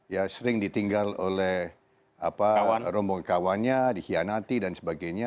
ya sering ditinggal oleh rombongan kawannya dikhianati dan sebagainya